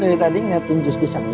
kamu dari tadi ngeliatin jus pisang ini